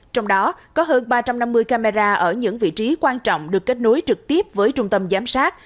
trong đó có hơn ba trăm năm mươi camera ở những vị trí quan trọng được kết nối trực tiếp với trung tâm giám sát